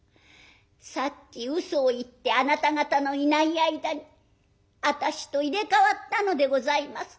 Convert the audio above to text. さっきうそを言ってあなた方のいない間に私と入れ代わったのでございます。